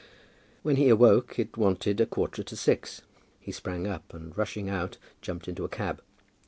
When he awoke it wanted a quarter to six. He sprang up, and rushing out, jumped into a cab.